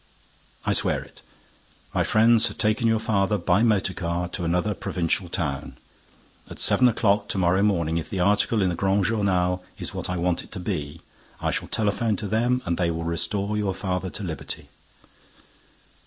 "I swear it. My friends have taken your father by motor car to another provincial town. At seven o'clock to morrow morning, if the article in the Grand Journal is what I want it to be, I shall telephone to them and they will restore your father to liberty."